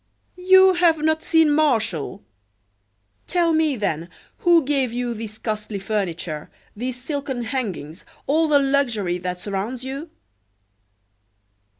"You have not seen Martial! Tell me, then, who gave you this costly furniture, these silken hangings, all the luxury that surrounds you?"